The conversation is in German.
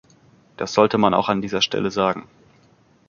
Das sollte man auch an dieser Stelle sagen.